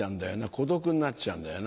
孤独になっちゃうんだよな。